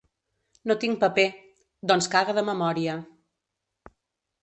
No tinc paper. —Doncs caga de memòria.